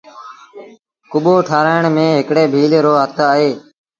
ڪٻو ٺآرآڻ ميݩ هڪڙي ڀيٚل رو هٿ اهي۔